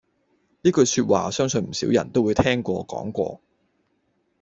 呢句說話相信唔少人都會聽過講過